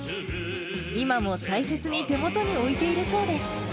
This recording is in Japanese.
今も大切に手元に置いているそうです。